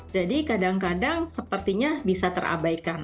jadi kadang kadang sepertinya bisa terabaikan